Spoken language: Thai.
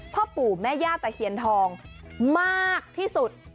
พ่อปู่แม่ย่าตะเคียนทองมากที่สุด